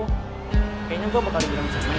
kayaknya gue bakal digerang sama nia